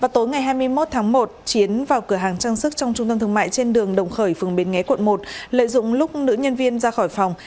tối ngày hai mươi một tháng một chiến vào cửa hàng trang sức trong trung tâm thương mại trên đường đồng khởi phường bến nghé quận một lợi dụng lúc nữ nhân viên ra khỏi phòng